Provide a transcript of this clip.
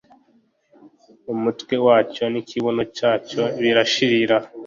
umutwe wacyo n’ikibuno cyacyo birashirira